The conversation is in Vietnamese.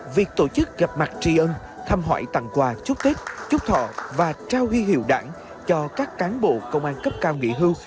việc tổ chức gặp mặt tri ân thăm hỏi tặng quà chúc tết chúc thọ và trao huy hiệu đảng cho các cán bộ công an cấp cao nghỉ hưu